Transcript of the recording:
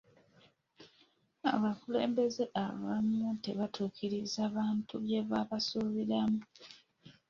Abakulembeze abamu tebaatuukiriza bantu bye babasuubiramu.